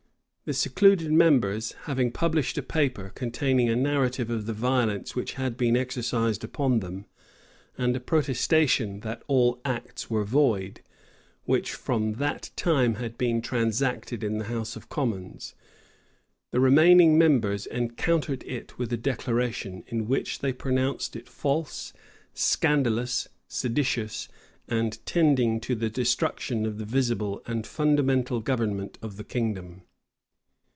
The secluded members having published a paper, containing a narrative of the violence which had been exercised upon them, and a protestation, that all acts were void, which from that time had been transacted in the house of commons, the remaining members encountered it with a declaration, in which they pronounced it false, scandalous, seditious, and tending to the destruction of the visible and fundamental government of the kingdom.